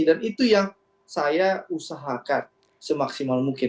dan itu yang saya usahakan semaksimal mungkin